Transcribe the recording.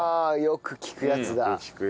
よく聞くやつ。